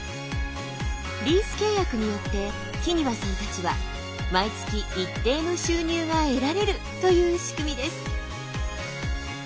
リース契約によって木庭さんたちは毎月一定の収入が得られるという仕組みです。